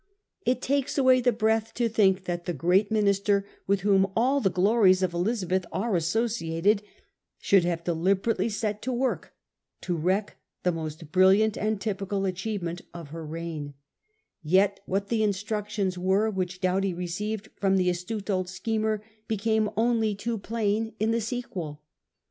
It takes away the breath to think that the great Minister with whom all the glories of Elizabeth are associated should have deliberately set to work to wreck the most brilliant and typical achieve ment of her reign; yet what the instructions were IV HIS EXPLORATION COMPANY 59 which Doughty received from the astute old schemer became only too plain in the sequel.